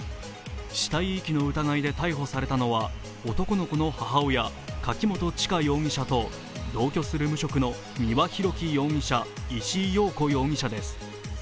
死体遺棄の疑いで逮捕されたのは男の子の母親、柿本知香容疑者と同居する無職の丹羽洋樹容疑者、石井陽子容疑者です。